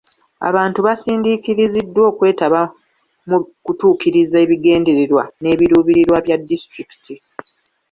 Abantu basindiikiriziddwa okwetaba mu kutuukiriza ebigendererwa n'ebiruubirirwa bya disitulikiti.